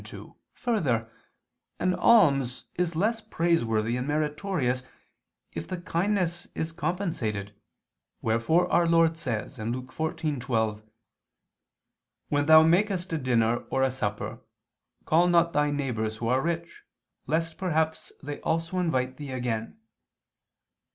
2: Further, an alms is less praiseworthy and meritorious if the kindness is compensated, wherefore Our Lord says (Luke 14:12): "When thou makest a dinner or a supper, call not thy neighbors who are rich, lest perhaps they also invite thee again."